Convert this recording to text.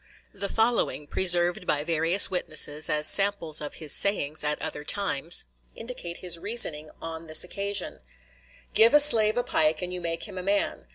The following, preserved by various witnesses as samples of his sayings at other times, indicate his reasoning on this occasion: "Give a slave a pike and you make him a man.